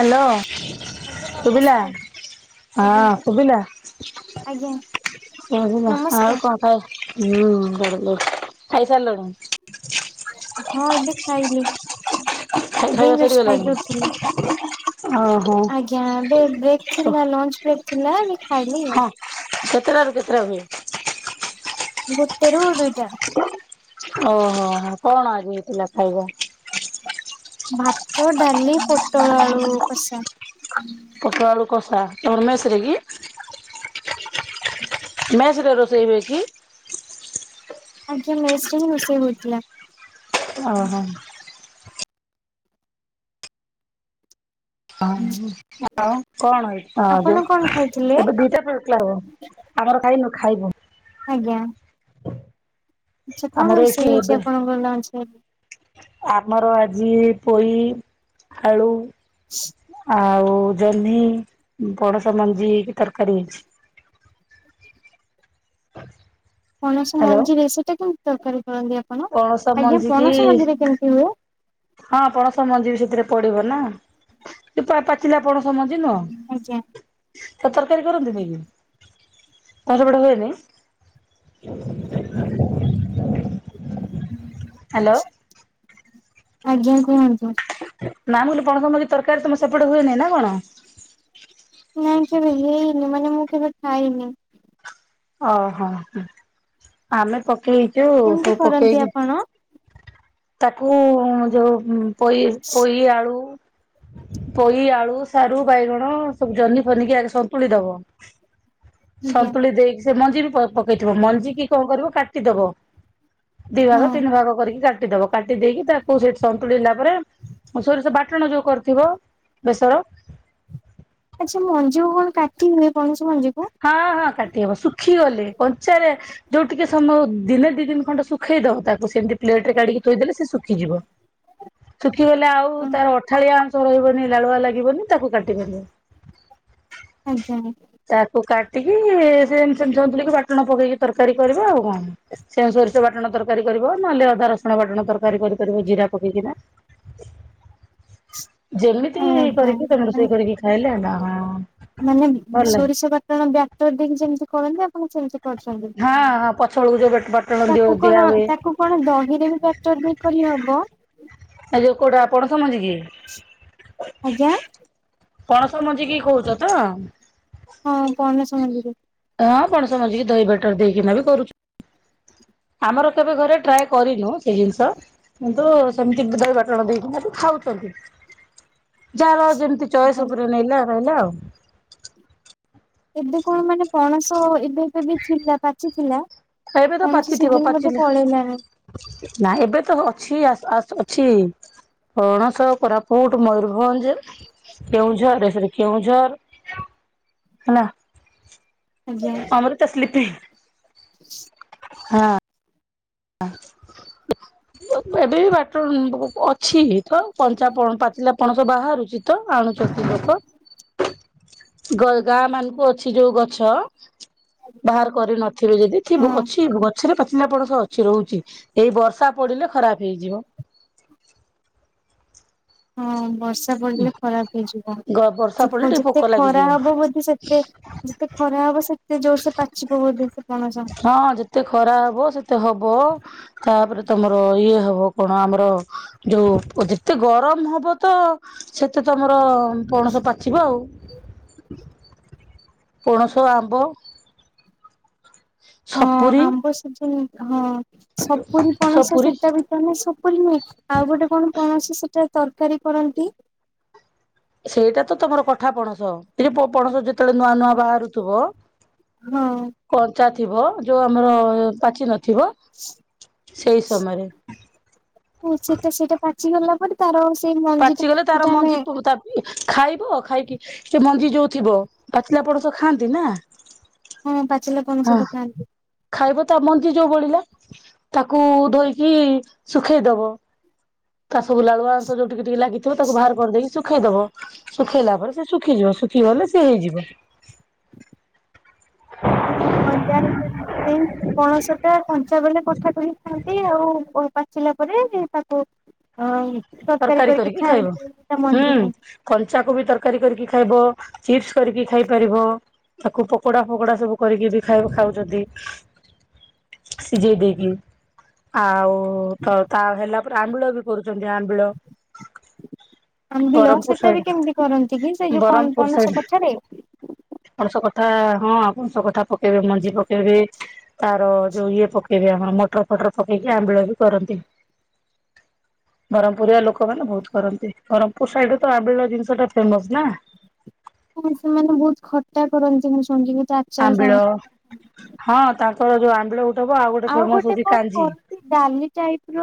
Hello ଆଜ୍ଞା ସୁବିଲା ନମସ୍କାର ହଁ ଆଜ୍ଞା ସୁବିଲା। ଆଜ୍ଞା କ ଆଉ ନମସ୍କାର କଣ ଖାଏ ହୁଁ ଗଡିଲୁ ଖାଇସାରିଲୁଣି। ହଁ ଏବେ ଖାଇଲି। ଏବେ ଖାଇବା ହିଁ ଯଷ୍ଟ ସରିଗଲାଣି ଖାଇକି ଉଠିଲି। ଓହୋ ଆଜ୍ଞା ଏବେ ବ୍ରେକ୍ ଥିଲା ଲଞ୍ଚ ବ୍ରେକ୍ ଥିଲା। ଖାଇଲି ଆଉ। ହଁ କେତେଟା ରୁ କେତେଟା ହୁଏ? ଗୋଟେରୁ ଦୁଇଟା। ଓହୋ କଣ ଆଜି ହେଇଥିଲା ଖାଇବା? ଭାତ, ଡ଼ାଲି, ପୋଟଳଆଳୁ କସା। ପୋଟଳ ଆଳୁ କଷା ତମର ମେସରେ କି। ହୁଁ। ମେସରେ ରୋଷେଇ ହୁଏ କି? ଆଜ୍ଞା ମେସରେ ହିଁ ରୋଷେଇ ହୋଉଥିଲା। ଓହୋ। ହଁ ଆଉ କଣ ଯୋଉ ଆପଣ କଣ ଖାଇଥିଲେ ଏବେ ଦିଟା ପିର [unintelligible] ହବ। ଆମର ଖାଇନୁ ଖାଇବୁ। ଆଜ୍ଞା। ଆଚ୍ଛା କଣ ଆମର ଏଠି ରୋଷେଇ ହେଇଛି ଏବେ ଆପଣଙ୍କର ଲଞ୍ଚ ରେ? ଆମର ଆଜି ପୋଇ ଆଳୁ ଆଉ। ଆଉ ଜହ୍ନି ପଣସ ମଞ୍ଜି କି ତରକାରୀ ହେଇଛି। [unintelligible] ପଣସ ହ୍ୟାଲୋ ମଞ୍ଜିରେ ସେଟା କେମିତି ତରକାରୀ? କରନ୍ତି ଆପଣ ପଣସ ଆଜ୍ଞା ମଞ୍ଜି କି ପଣସ ମଞ୍ଜିରେ କେମିତି ହୁଏ? ହଁ ପଣସ ମଞ୍ଜି ବିି ସେଥିରେ ପଡ଼ିବ ନା ପାଚିଲା ପଣସ। ମଞ୍ଜି ଆଜ୍ଞା ନୁହ ତରକାରୀ କରନ୍ତି [unintelligible] [unintelligible] ହୁଏନି। ହ୍ୟାଲୋ ଆଜ୍ଞା କୁହନ୍ତୁ। ନା ମୁଁ କହିଲି ପଣସ ମଞ୍ଜି ତରକାରୀ ତମ ସେପଟେ ହୁଏନି ନା କଣ? ନାଇଁ କେବେ ହେଇନି ମାନେ ମୁଁ କେବେ ଖାଇନି। ଓହୋ ଆମେ ପକେଇଛୁ ସବୁ କେମିତି କରନ୍ତି ପକେଇଛୁ। ଆପଣ? ତାକୁ ଯୋଉ ପଇ ପୋଇ ଆଳୁ। ହ [unintelligible] ପୋଇ ଆଳୁ ସାରୁ ବାଇଗଣ ସବୁ ଜହ୍ନି ଫନିକି ଆଗ ସନ୍ତୁଳି ଦବ। ହଁ ସନ୍ତୁଳି ଦେଇକି ସେ ମଞ୍ଜି ବି ପକେଇଥିବ ମଞ୍ଜି କି କଣ କରିବ କାଟିଦବ। ଦି ଭାଗ ତିନି ଭାଗ କରିକି କାଟିଦବ। କାଟି ଦେଇେଇକି ତାକୁ ସେଇଠି ସନ୍ତୁଳିଲା ପରେ ସୋରିଷ ବାଟଣ ଯୋଉ କରିଥିବ। ବେସର। ଆଚଛା ମଞ୍ଜୁ କଣ କାଟି ହୁଏ ପ। ହଁ ହଁ କାଟି ହବ ଶୁଖି ଗଲେ କଞ୍ଚାରେ। ଯୋଉ ଟିକେ ସମୟ ଦିନେ ଦି ଦିନ ଖଣ୍ଡ ଶୁଖେଇ ଦବ ତାକୁ ସେମିତି। ପ୍ଲେଟ ରେ କାଢିକି ଥୋଇଦେଲେ ସେ ଶୁଖିଯିବ। ଶୁଖିଗଲେ ଆଉ ତାର ଅଠାଳିଆ ଅଂଶ ରହିବନି ଲାଳୁଆ ଲାଗିବନି ତାକୁ କାଟ। [unintelligible] ଆଜ୍ଞା। କାଟିକି ସେ ସେମିଥିଲ ବାଟଣ ପକେଇକି ତରକାରୀ କରିବା ଆଉ କଣ ସେ ସୋରିଷ ବାଟଣ ତରକାର। ତରକାରୀ କରିବ ନହେଲେ ଅଧା ରସୁଣ ବାଟଣ ତରକାରୀ କରିପାରିବ ଜିରା ପକେଇକିନା। [unintelligible] ଯେମିତି ଆଜ୍ଞା। କରିକି ତମ ରୋଷେଇ କରିକି ଖାଇଲେ ହେଲା। ହଁ ମାନେ ଭଲ ଲାଗେ। ସୋରିଷ ବାଟଣ ବ୍ୟାକ୍ଟର ଦେଇକି ଯେମିତି କରନ୍ତି ଆପଣ ସେମିତି କରଛନ୍ତି। ସଳୁ। ତାକୁ କଣ ତାକୁ କଣ ଦହିରେ ବି ଫାକ୍ଟର ଦେଇକ ହବ। ଏ ଯୋଉ କୋଉଟା ଆପଣ ସମଜ କି। ଆଜ୍ଞା ପଣସ ମଞ୍ଝିକି କହୁଛ ତ। ହଁ ପନସ ମନ୍ଦିରେ। ହଁ କଣ ପଣସମଞ୍ଜିକି ଧୋଇ କି ବଟର ଦେଇକିନା ବି କରୁଛୁ। [unintelligible] ଆମର କେବେ ଘରେ ଟ୍ରାଏ କରିନୁ ସେଇ ଜିନିଷ କିନ୍ତୁ ସେମିତି ଦହି ବାଟଣ ଦେଇଛି ମେ ଖାଉଛନ୍ତି। ଆଜ୍। [unintelligible] ଯାହାରଉ ଯେମିତି ଚଏସ ଉପରେ ନଲା ରହିଲା ଆଉ। ଏବେ କଣ ମାନେ ପଣସ ଏବେ ଏବେ ବି ଥିଲା ପାଚଥିଲା। ଏବେ ତ ପାଚିଥିବ ପାଚିଲ ନାଇ ଏବେ ତ ଅଛି। ପକ୍ଷ। ପଣସ କୋରାପୁଟ ମୟୂରଭଞ୍ଜ କେଉଁଝର ଏରେ କେଉଁଝର। ହେଲା। ଆଜ୍ଞା। ଆମର ଚାଷଲିିପ। [unintelligible] ହଁ। ହ। [unintelligible] ଏବେ ବି ବାଟ ଅଛି ତ କଞ୍ଚା ପାଚିଲା ପଣସ ବାହାରୁଛି ତ ଆଣୁଛ। ଦେଖ। [unintelligible] ଗାଁ ମାନଙ୍କୁ ଅଛି ଯୋଉ ଗଛ। ବାହାର କରିନଥିବେ ଯଦି ହଁ ଅଛି ଗଛରେ ପାଚିଲା ପଣଷ ଅଛି। କି ରହୁଛି ଏଇ ବର୍ଷା ପଡିଲେ ଖରାପ ହେଇଯିବ। ହଁ ବର୍ଷା ପଡିଲେ ଖରାପ ହେଇଯିବ। ଗ ବର୍ଷା ପଡିଲେ ଟିକେ ପୋକ ଯେତେ ଖରା ଲାଗିଯିବ। ହବ ବୋଧ ସେତେ ଯେତେ ଖରା ହବ ସେ। ସେ ଜୋର ସେ ପାଚିବ ବୋଧ ସେ। ପଣସ ହଁ ଯେତେ ଖରା ହବ ସେତେ ହବ ତାପରେ ତମର ଇଏ ହବ। ଓପ ହଁ ଆମର ଯୋଉ ଯେତେ ଗରମ ହବ ତ ସେତେ ତମର। ପଣସ ପାଚିବ ଆଉ ପଣସ ଆମ୍ବ। ହଁ ସପୁରୀ ଆମ୍ବ ସିଜନ ହଁ। ସପୁରି ପଣସ ସପୁରୀ ସେଟା ବି ତ ନା ସପୁରୀ ନୁହେଁ ଆଉ ଗୋଟେ କଣ ପଣସ ସେଟା। ତରକାରୀ କରନ୍ତି। ସେଇଟା ତ ତମର କଠା ପଣସ ଏ ଯୋଉ ପ ପଣସ ଯେ ଯେତେବେଳେ ନୂଆ ନୂଆ ବାହାରୁଥୁବ ହଁ କଞ୍ଚା ଥିବ। ଯୋଉ ଆମର ପାଚି ନଥିବ ସେଇ ସମୟରେ। ଓ ସେଟା ସେଇଟା ପାଚିଗଲା ପରେ ତାର ସେଇ ମଞ୍ଜି ଟା ପାଚିଗଲେ ତାର ସେଟା ଆମେ ମଞ୍ଜି ପୋ ତା ପି ଏ। ଖାଇବ ଖାଇକି ସେ ମଞ୍ଜି ଯୋଉ ଥିବ ପାଚିଲା ପଣସ ଖାଆନ୍ତି ନା। ହଁ ପାଚିଲା ହଁ ପଣସ ତ ଖାଆନ୍ତି। ଖାଇବ ତା ମଞ୍ଜି ଯୋଉ ବଳିଲା ତାକୁ ଧୋଇକି ଶୁଖେଇ ଦବ। ତା ସବୁ ଲାଳୁଆ ଅଂଶ ଯୋଉ ଟିକେ ଟିକେ ଲାଗିଥିବ ତାକୁ ବାହାର କରି ଦେଇକି ଶୁଖେଇ ଦବ ଶୁଖେଇଲା ପରେ ସେ ଶୁଖିଯିବ। ଶୁଖିଗଲେ ସିଏ ହେଇଯିବ। ହଁଁ ଜାଣି ପାରଲି ଯେଉଁ ପଣଷ ଟା କଞ୍ଚା ବେଳେ କଠା କରି ଖାଆନ୍ତି। ଆଉ ପାଚିଲା ପରେ ତାକୁ ଅ। ତରକାରୀ କରିକି ଖାଇବ ଖାଆନ୍ତି ତା ହୁଁ ମଞ୍ଜିକୁ କଞ୍ଚାକୁ ବି ତରକାରୀ କରିକି ଖାଇବ ଚିପ୍ସ। କରିବି ଖାଇ ପାରିବ ତାକୁ ପକୋଡା ଫକୋଡା ସବୁ କରିକି ବି ଖାଇ ଖାଉଛନ୍ତି। ସିଝେଇ ଦେଇକି ଆଉ। ଓ ତ ତା ହେଲା ପରେ ଆମ୍ବିଳ ବି କରୁଛନ୍ତି ଆମ୍ବିଳ। ଆମ୍ବିଲ ବ୍ରହ୍ମପୁର ସେଟା ବି ସାଇଡ କେମିତି କରନ୍ତି କି ସେଇ ଯୋଉ ବ୍ରହ୍ମପୁର ପଣସ ସାଇଡ କଠାରେ। ପଣସ କଠା ହଁ ଆପଣ ପଣସ କଠା ପକେଇବେ ମଞ୍ଜି ପକେଇବେ। ତାର ଯୋଉ ଇଏ ପକେଇବେ ଆମର ମଟର ଫଟର ପକେଇକି ଆମ୍ବିଳ ବି କରନ୍ତି। ବରମ ପୁରୀଆ ଲୋକମାନେ ବହୁତ କରନ୍ତି ବରମପୁର ସାଇଡ ରେ ତ ଆମ୍ବିଳ ଜିନିଷ ଟା ଫେମସ ନା। ହ ସେମାନେ ବହୁତ ଖଟା କରନ୍ତି ମୁ ଶୁଣିଥିଲି। ତା ଆଚାର ଆମ୍ବିଳ ସାଙ୍ଗ ହଁ ତାଙ୍କର ଯୋଉ ଆମ୍ବିଳ ଗୋଟେ। ଆଉ ଗୋଟେ ଫେମସ ହଉଛି କଣ କାଞ୍ଜି କରନ୍ତି ଡାଲି ଟାଇପ ର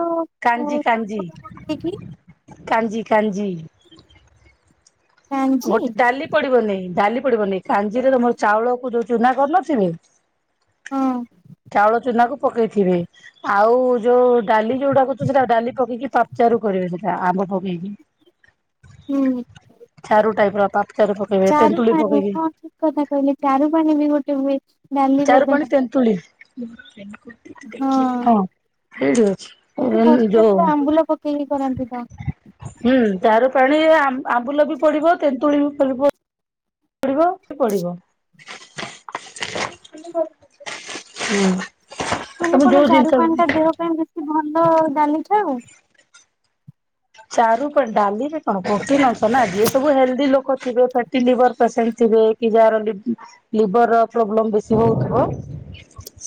କାଞ୍ଜି କାଞ୍ଜି। ଆମ୍ବୁଲ ପକେଇକି କାଞ୍ଜି କାଞ୍ଜି। କାଞ୍ଜି ଗୋଟେ ଡାଲି ପଡିବନି ଡାଲି। ପଡିବନି କାଞ୍ଜି ରେ ତମର ଚାଉଳକୁ ଯୋଉ ଚୁନା କରୁ ନଥିଲି। ହଁ ଚାଉଳ ଚୁନା କୁ। ପକେଇଥିବେ ଆଉ ଯୋଉ ଡାଲି ଯୋଉଟା କଉଛୁ ସେଟା ଡାଲି ପକେଇକି ପାଚାରୁ କରିବେ ସେଟା ଆମ୍ୱ। ପକେଇକି। ହୁଁ। ଚାରୁ ଟାଇପ ର ପାପଚାରୁ ପକେଇବେ ଚାରୁ ତେନ୍ତୁଳି ପାଣି ପକେଇକି ହଁ ଠିକ୍ କଥା କହିଲେ ଚାରୁ ପାଣି ବି ଗୋଟେ ହୁଏ। ଡାଲି ଚାରୁ ବଦା ପାଣି ତେନ୍ତୁଳି। ହଁ। ସେଇଠି ଏଠି ଅଛି ହଷ୍ଟେଲ ଯୋଉ ରେ ଆମ୍ବୁଲ ପକେଇକି କରନ୍ତି ତ। ହୁଁ ଚାରୁ ପାଣି ଆମ୍ ଆମ୍ବୁଲ ବି ପଡିବ ତେନ୍ତୁଳି ବି ପଡ଼ିବ। ପଢିବ ସବୁ ପଢିବ ହୁଁ। ମାନେ ତମେ କଣ ଯୋଉ ଚାରୁ ପାଣି ଟା ଜିନିଷ ଦେହ ପାଇଁ ବେଶୀ ଭଲ ଡାଲି ଠାରୁ। ଚାରୁ ପାଣି ଡାଲି ରେ କଣ ପ୍ରୋଟିନ ଅଂଶ ନା ଯିଏ ସବୁ ହେଲ୍ଦି ଲୋକ ଥିବେ ଫ୍ୟାଟି ଲିଭର ପେସେଣ୍ଟ ଥି ବେ କି ଯାହାର ଲି‌ ଲିଭର ର ପ୍ରୋବ୍ଲମ୍ ବେଶୀ ହୋଉଥିବ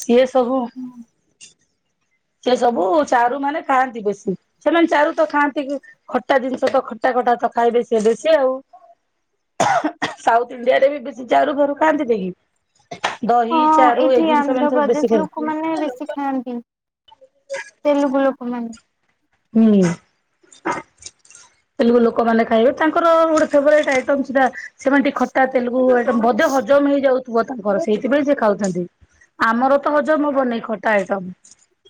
ସିଏ ତୋ ହୁଁ। ସେ ସବୁ ଚାରୁ ମାନେ ଖାଆନ୍ତି ବେଶୀ ସେମାନେ ଚାରୁ ତ ଖାଆନ୍ତି ଖଟା ଜିନିଷ ତ ଖଟା। ଫଟା ତ ଖାଇବେ ସିଏ ବେଶୀ ଆଉ। ସାଉଥ୍ ଇଣ୍ଡିଆ ରେ ବି ବେଶୀ ଚାରୁ ଫାରୁ ଖାଆନ୍ତି ନି କି? ଦହି ହଁ ଚାରୁ ଏଇଠି ଏଇ ଜିନିଷ ସେମାନେ ସବୁ ବେଶୀ ଆନ୍ଧ୍ରପ୍ରଦେଶ ଖାଆନ୍ତି। ଲୋକମାନେ ବେଶୀ ଖାଆନ୍ତି ତେଲୁଗୁ ଲୋକମାନେ ହୁଁ। ତେଲୁଗୁ ଲୋକମାନେ ଖାଇବେ ତାଙ୍କର ଗୋଟେ ଫେବୋରାଇଟ୍ ଆଇଟମ ସେଟା ସେମାନେ ଟିକେ ଖଟା ତେଲଗୁ ଆଇଟମ୍ ବୋଧେ ହଜମ ହେଇଯାଉ ପୁଅ ତାଙ୍କର ସେଇଥିପାଇଁ ସେ ଖାଉଥାନ୍ତି। ଆମର ତ ହଜମ ହବନି ଖଟା ଆଇଟମ।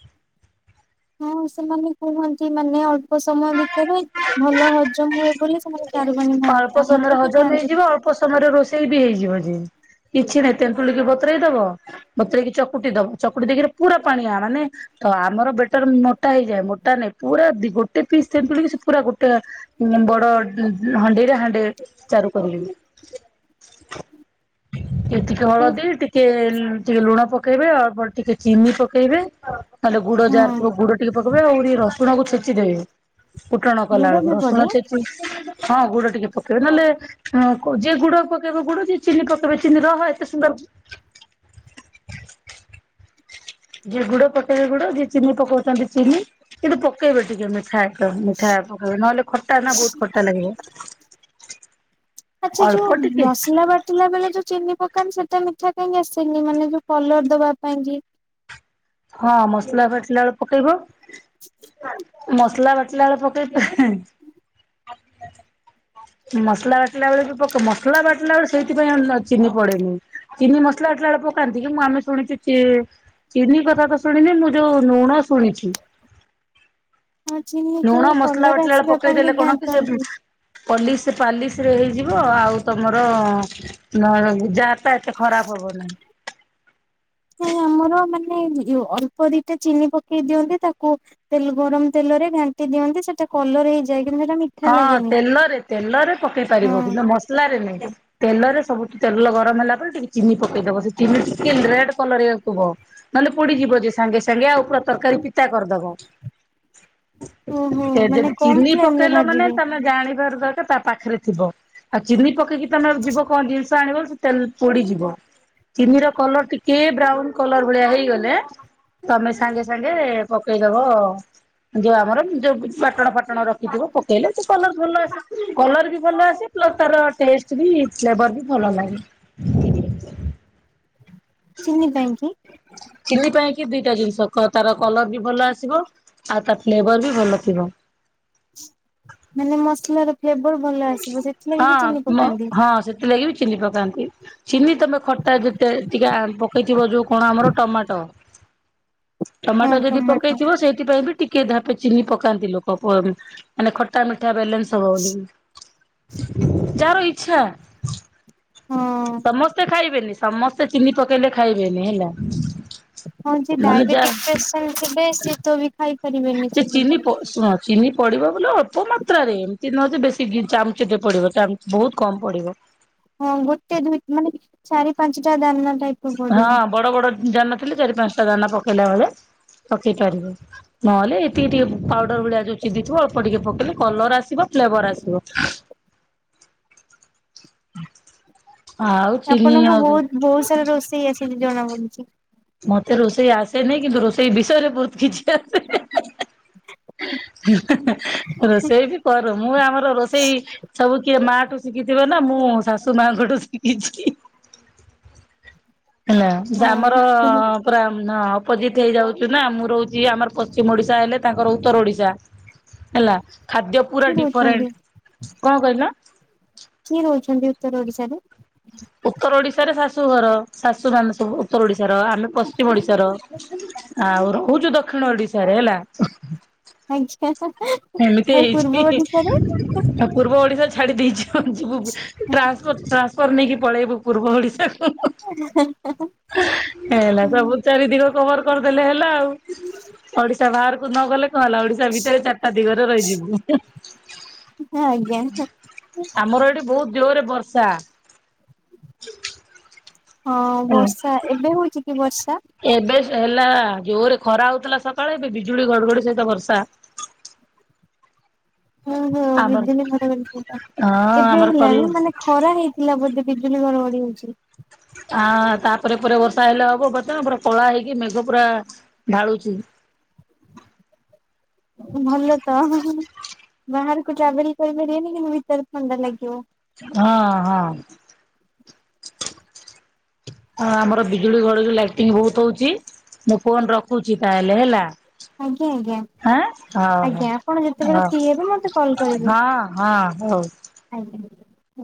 [inaudible] ହଁ, ସେମାନେ କୁହନ୍ତି ମାନେ ଅଳ୍ପ ସମୟ ଭିତରେ ଭଲ ହଜମ ହୁଏ ବୋଲି ସେମାନେ ଚାରୁପାଣି ଖାଆନ୍ତି ଅଳ୍ପ ଆମର ତ ସମୟରେ କେହି ହଜମ ଖାଆନ୍ତିନି। ହେଇଯିବ ଅଳ୍ପ ସମୟରେ ରୋଷେଇ ବି ହେଇଯିବ ଯେ। କିଛି ନାହିଁ ତେନ୍ତୁଳିିକି ବତୁରେଇ ଦବ ବତୁରେଇକି ଚକୁଟି ଦବ ଚକୁଟି ଦେଇକି ପୁରା ପାଣିଆ ମାନେ ତ ଆମର ବେଟର୍ ମୋଟା ହେଇଯାଏ। ମୋଟା ନାଇଁ ପୁରା ଦି ଗୋଟେ ପିସ୍ ତେନ୍ତୁଳିକି ସେ କି ସେ ପୁରା ଗୋଟା ଉଁ ବଡ ଉଁ ଉଁ ହଣ୍ଡେଇରେ ହାଣ୍ଡିଏ ଚାରୁ କରିଲି। ଏତିକି ହଁ ହଳଦୀ ଟିକେ ଟିକେ ଲୁଣ ପକେଇବେ ଅଳ୍ପ ଟିକେ ଚିନି ପକେଇବେ। ନହେଲେ ଗୁଡ ଯାହାର ଥିବ ଗୁଡ ଟିକେ ପକେଇବେ ଆହୁରି ରସୁଣକୁ ଛେଚିଦେବେ। ଫୁଟଣ କଲା ଗୁଡ ବେଳକୁ ବି ପଡେ। ରସୁଣ ଛେଚି ହଁ ଗୁଡ ଟିକେ ପକେଇବେ ନଲେ ଉଁ ଯିଏ ଗୁଡ ପକେଇବ ଗୁଡ ଯିଏ ଚିନି ପକେଇବେ ଚିନି ରେ ହଏ। ଏତେ ସୁନ୍ଦର [inaudible] ଯିଏ ଗୁଡ ପକେଇବେ ଗୁଡ ଯିଏ ଚିନି ପକଉଚନ୍ତି ଚିନି କିନ୍ତୁ ପକେଇବେ ଟିକେ ମିଠା। ତ ମିଠା ପକେଇବେ ନହେଲେ ଖଟା ନା ବହୁତ ଖଟ ଆଚ୍ଛା ଅଳ୍ପ ଯୋଉ ଟିକେ ମସଲା ବାଟିଲା ବେଳେ ଯୋଉ ଚିନି ପକ୍ ଦୋକାନ ସେଟା ମିଠା କାଇଁକି ଆସେନି ମାନେ ଯୋଉ କଲର ଦବା ପାଇଁ କି? ହଁ ମସଲା ବାଟିଲା ବେଳେ ପକେଇବ। [inaudible] ମସଲା ବାଟିଲା ବେଳେ ପକେଇ ହିଁ। [inaudible] ମସଲା ବାଟିଲା ବେଳେ ବି ପକ୍ ମସଲା ବାଟିଲା ବେଳେ ସେଇଥି ପାଇଁ ଆଉ ଲ ଚିନି ପଡେନି। ଚିନି ମସଲା ବାଟିଲା ବେଳେ ମୁଁ କାନ୍ଧିକି ମୁଁ ଆମେ ଶୁଣିଚୁ ଚି ଚିନି କ ପାଗ ଶୁଣିନି ମୁଁ ଯୋଉ ନୁଣ ଶୁଣିଚି। ହଁ ଚିନି ନୁଣ କେବଳ ମସଲା କଲର ବାଟିଲା ବେଳେ ଆସିବା ପାଇଁ ପକେଇଦେଲେ କଣ କି ସେ ମ୍ ଘାଣ୍ଟନ୍ତି। ପଲିସ ପାଲିସ ରେ ହେଇଯିବ। ଆଉ ତମର ଅଁ ଯା ତା ଏତେ ଖରାପ ହବ ନାହିଁ। ନାଇଁ ଆମ୍ ଆମର ମାନେ ୟୋ ଅଳ୍ପ ଦିଟା ଚିନି ପକେଇ ଦିଅନ୍ତି ତାକୁ ତେଲ ଗରମ ତେଲରେ ଘାଣ୍ଟି ଦିଅନ୍ତି ସେଟା କଲର ହେଇଯାଇ। ହଁ ତେଲରେ ତେଲରେ ପକେଇ ପାରିବ ହଁ କିନ୍ତୁ ମସଲାରେ ନୁହେଁ। ତେଲରେ ସବୁଠି ତେଲ ଗରମ ହେଲା ପରେ ଟିକେ ଚିନି ପକେଇଦବ। ସେ ଚିନି ଟିକେ ରେଡ କଲର ହେଇ ଆସୁଥିବ। ନ ହେଲେ ପୋଡିଯିବ ଯେ ସାଙ୍ଗେ ସାଙ୍ଗେ ଆଉ ପୁରା ତରକାରୀ ପିତ୍ ତା କରିଦବ। ଓହୋ ଯେ ମାନେ ଯଦି କମ ଚିନି ପ ଫ୍ଲେମ ରେ ପକେଇଲ ମାନେ ଭାଜିବେ ତମେ ଜାଣିବାର ଦରକାର ତା ପାଖରେ ଥିବ। ଆଉ ଚିନି ପକେଇକି ତମେ ଯିବ କଣ ଜିନିଷ ତ ଆଣିବ ସେ ତେଲ ପୋଡିଯିବ। ଚିନିର କଲର ଟିକେ ବ୍ରାଉନ କଲର ଭଳିଆ ହେଇଗଲେ। ତମେ ସାଙ୍ଗେ ସାଙ୍ଗେ ପକେଇଦବ ଯୋଉ ଆମର ଯୋଉ ବାଟଣ ଫାଟଣ ରଖ ଖିଥିବ, ପକେଇଲେ ସେ କଲର ଭଲ ଆସେ। କଲର ବି ଭଲ ଆସେ ପ୍ଲସ୍ ତାର ଟେଷ୍ଟ୍ ବି ଫ୍ଲେବର୍ ବି ଭଲ [unintelligible] ଚିନି ପାଇଁକି? ଚିନି ପାଇଁ କି ଦିଟା ଜିନିଷ କ ତାର କଲର ବି ଭଲ ଆସିବ। ଆଉ ତା ଫ୍ଲେବର ବି ଭଲ ଥିବ। ମାନେ ମସଲାର ଫ୍ଲେବର ଭଲ ଆସିବ। ସେଥିଲାଗି ବି ହଁ ଚିନି ମ ପକାନ୍ତି। ହଁ ସେଥିଲାଗି ବି ଚିନି ପକାନ୍ତି ଚିନି ତମେ ଖଟା ଯେତେ ଟିକେ ଆମ୍ ପକେଇଥିବ ଯୋଉ କଣ ଆମର ଟମାଟ। ହଁ ଟମାଟ ଯଦି ଟମାଟୋ। ପକେଇଥିବ ସେଇଥିପାଇଁ ବି ଟିକ୍ ଟଏ ଧାପେ ଚିନି ପକାନ୍ତି ଲୋକ ମାନେ ଖଟା ମିଠାବାଲନ୍ସ ହବ ବୋଲି। ଯାହାର ଇଚ୍ଛା ହଁ ସମସ୍ତେ ଖାଇବେନି। ସମସ୍ତେ ଚିନି ପକେଇଲେ ଖାଇବେନି ହେଲା। ହଁ ମାନେ ଯା ଡାଇବେଟିକ ପେସେଣ୍ଟ ସଏ ତ ବି ଖାଇ ସେ ଚିନି ଶୁଣ ଚିନି ପଡିବ ବୋଲେ ଅଳ୍ପ ମାତ୍ରାରେ ଏମତି ହଜ ବେଶୀ ଚାମଚ ଟେ ପଡିବ ବହୁତ କମ ପଡିବ। ହଁ ଗୋଟେ ଦୁଇ ମାନେ ଚାରି ପାଞ୍ଚଟା ଦାନ। ହଁ ବଡ ବଡ ଯାନା ଥିଲେ ଚାରି ପାଞ୍ଚଟା ଯାନା ପକେଇଲେ ମ ପକେଇ ପାରିବ ନହେଲେ ଏତିକି ଟିକେ ପାଉଡର ଭଳିଆ ଯୋଉ ଚିନ୍ଧିଥିବ ଅଳ୍ପ ଟିକେ ପକେଇଲେ କଲର ଆସିବ। ଫେବରଆସିବ। ହୁଁ। ଆପଣଙ୍କୁ ବହୁତ ବହୁତ ସାରା ରୋଷେଇ ଆସଛିି ଜଣା ପଡୁଛି। ମତେ ରୋଷେଇ ଆସେନି କିନ୍ତୁ ରୋଷେଇ ବିଷୟରେ ବହୁତ କିଛି ଆସେ। ରୋଷେଇ ବି କର ମୁଁ ଆମର ରୋଷେଇ ସବୁ କିଏ ମା ଠୁ ଶିଖିଥିବ ନା ମୁଁ ଶାଶୁ ମାଙ୍କଠୁ ଶିଖିଛି। ହେଲା ଆମର ହଁ। ପୁରା ନା ଅପୋଜିଟ୍ ହେଇଯାଉଛିୁ ନା ମୁଁ ରହୁଛି ଆମର ପଶ୍ଚିମ ଓଡିଶା ହେଲେ ତାଙ୍କର ଉତ୍ତର ଓଡିଶା। ହେଲା ଖାଦ୍ୟ ପୁରା କିଏ ରହୁଛନ୍ତି ଡିଫରେଣ୍ଟ କଣ କହିଲ? ଉତର ଓଡ଼ିଶାରେ। ଉତ୍ତର ଓଡିଶାରେ ଶାଶୁ ଘର ଶାଶୁ ମାନେ ସବୁ ଉତ୍ତର ଓଡିଶାର ଆମେ ପଶ୍ଚିମ ଓଡିଶାର। ଆଉ ରହୁଛୁ ଦକ୍ଷିଣ ଓଡିଶାରେ ହେଲା। ଆଜ୍ଞା। ଏମିତି ଆଉ ପୂର୍ବ ହେଇଛି ଓଡିଶାରେ? ଆଉ ପୂର୍ବ ଓଡିଶା। ଛାଡ଼ି ଦେଇଛିୁ ଯିବୁ ଟ୍ରାନ୍ସଫ ଟ୍ରାନ୍ସଫର୍ ନେଇକି ପଳେଇବୁ ପୂର୍ବ ଓଡ଼ିଶାକୁ। ହେଲା ସବୁ ଚାରି ଦିିକ କଭର କରିଦେଲେ ହେଲା ଆଉ। ଓଡିଶା ବାହାରକୁ ନ ଗଲେ କଣ ହେଲା ଓଡିଶା ଭିତରେି ରହିଯିବୁ ଆଜ୍ଞା ଆମର ଏଠି ବହୁତ ଜୋର ବର୍ଷା। ହଁ ହେଲା। ବର୍ଷା ଏବେ ହଉଛି କି ବର୍ଷା? ଏବେ ହେଲା ଜୋରେ ଖରା ହଉଥିଲା ସକାଳେ ଏବେ ବିଜୁଳି ଘଡଘଡି ସହିତ ବର୍ଷା। ଓ ହୋ ଆମର ନିଜେ ବି କରି ହଁ ଏବେ ଆମର କଲୁ ହେଲାଣି ମାନେ ଖରା ହେଇଥିଲା ବେ ବିଜୁଳି ଘଡ ଗଡି ହଉଛି। ଆ ତାପରେ ପରେ ବର୍ଷା ହେଲେ ହବ ବର୍ତ୍ତମାନ ପୁରା କଳା ହେଇକି ମେଘ ପୁରା ଢାଳୁଛି। ଭଲ ତ ବାହାରକୁ ଟ୍ରାଭେଲି କରିପାରିବେନି କିମ ଭିତରେ ଥଣ୍ଡା ଲାଗିବ। ହଁ ହଁ। ଆ ଆମର ବିଜୁଳି ଘଡି ଲାଇଟିଙ୍ଗ ବହୁତ ହଉଛି। ମୁଁ ଫୋନ ରଖୁଛି ତାହେଲେ ହେଲା। ଆଜ୍ଞା ଆଜ୍ଞା। ଆଁ ହଉ ହଉ। ଆଜ୍ଞା ଆପଣ ଯେତେବେଳେ ଫ୍ରି ହଉ ହେବେ ମତେ କଲ କରିବେ। ହଁ ହଁ ହଉ। ଆଜ୍ଞା।